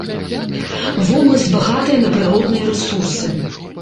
Вобласць багатая на прыродныя рэсурсы.